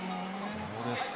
そうですか。